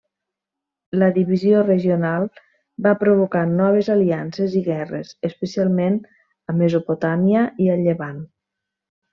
La divisió regional va provocar noves aliances i guerres, especialment a Mesopotàmia i el Llevant.